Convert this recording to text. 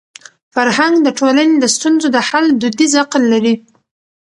فرهنګ د ټولني د ستونزو د حل دودیز عقل لري.